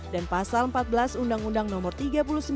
dan pasal empat belas undang undang no tiga penyiaran